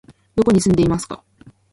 どこに住んでいますか？